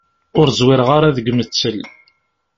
Ur ẓwireɣ ara deg umettel.